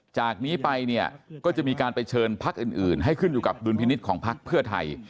จากนี้ไปเนี่ยก็จะมีการไปเชิญพักอื่นให้ขึ้นอยู่กับดุลพินิษฐ์ของพักเพื่อไทย